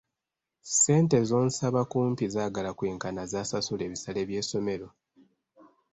Ssente z'onsaba kumpi zaagala kwenkana z’asaasula ebisale by'essomero!